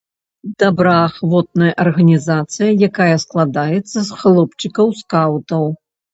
Добраахвотная арганізацыя, якая складаецца з хлопчыкаў-скаўтаў.